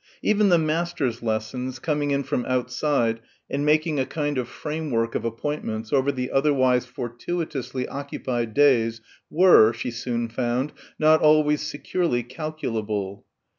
Even the masters' lessons, coming in from outside and making a kind of framework of appointments over the otherwise fortuitously occupied days, were, she soon found, not always securely calculable.